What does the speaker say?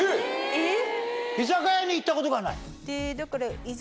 えっ！